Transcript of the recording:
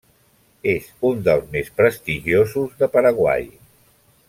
És un dels més prestigiosos de Paraguai.